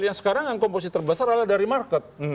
yang sekarang yang komposisi terbesar adalah dari market